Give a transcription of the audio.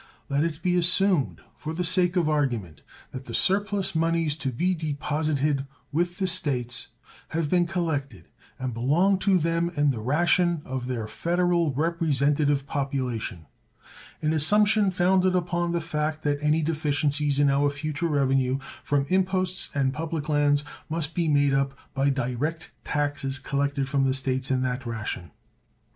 Let it be assumed, for the sake of argument, that the surplus moneys to be deposited with the States have been collected and belong to them in the ration of their federal representative population an assumption founded upon the fact that any deficiencies in our future revenue from imposts and public lands must be made up by direct taxes collected from the States in that ration.